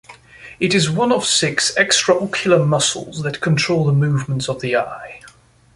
It is one of six extraocular muscles that control the movements of the eye.